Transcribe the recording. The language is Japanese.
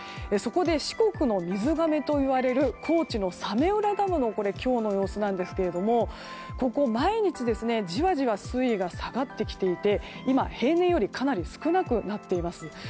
そこで四国の水がめといわれる高知の早明浦ダムの今日の様子なんですけれども毎日じわじわ水位が下がってきていて今、平年よりかなり少なくなっています。